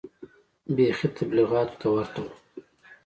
بيخي تبليغيانو ته ورته و.